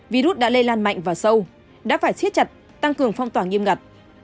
virus đã lây lan mạnh và sâu đã phải siết chặt tăng cường phong tỏa nghiêm ngặt